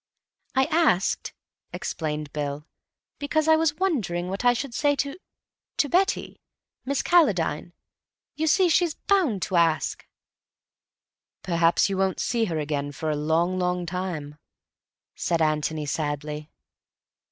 "I asked," explained Bill, "because I was wondering what I should say to—to Betty. Miss Calladine. You see, she's bound to ask." "Perhaps you won't see her again for a long, long time," said Antony sadly.